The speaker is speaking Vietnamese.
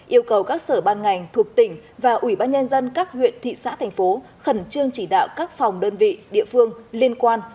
yêu cầu các sở ban ngành thuộc tỉnh và ủy ban nhân dân các huyện thị xã thành phố khẩn trương chỉ đạo các phòng đơn vị địa phương liên quan